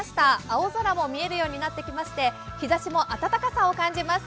青空も見えるようになってきまして、日ざしも暖かさを感じます。